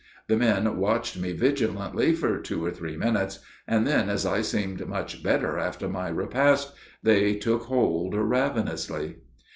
The men watched me vigilantly for two or three minutes, and then, as I seemed much better after my repast, they took hold ravenously.